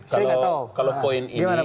saya tidak tahu